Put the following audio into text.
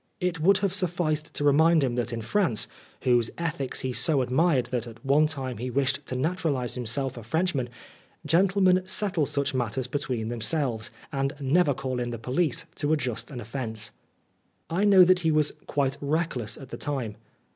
It would have sufficed to remind him that in France, whose ethics he so admired that at one time he wished to naturalise himself a Frenchman, gentlemen settle such matters between themselves, and never call in the 119 Oscar Wilde police to adjust an offence. I know that he was quite reckless at the time.